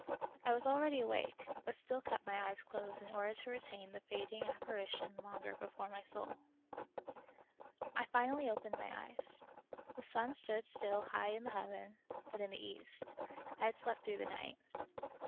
I was already awake, but still kept my eyes closed in order to retain the fading appari tion longer before my soul. I finally opened my eyes ; the sun stood still high in the heaven, but in the east ; I had slept through the night.